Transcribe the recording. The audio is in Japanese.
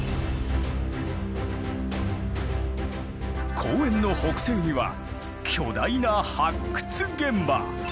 公園の北西には巨大な発掘現場。